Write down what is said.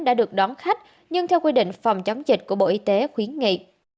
đã được đón khách nhưng theo quy định phòng chống dịch của bộ y tế khuyến nghị